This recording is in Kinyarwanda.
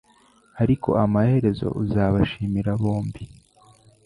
Ariko amaherezo, uzabashimira bombi. ”